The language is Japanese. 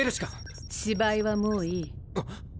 芝居はもういい。